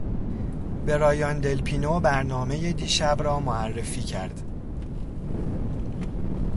برایان دلپینو برنامه دیشب را معرفی کرد.